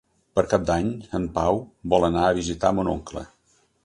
Per Cap d'Any en Pau vol anar a visitar mon oncle.